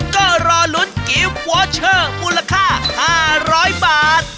ก็รอลุ้นกิฟต์วอเชอร์มูลค่า๕๐๐บาท